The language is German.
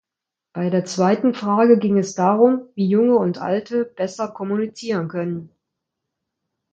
Bei der zweiten Frage ging es darum, wie Junge und Alte besser kommunizieren können.